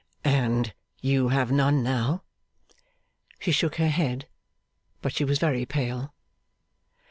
'And you have none now?' She shook her head. But she was very pale.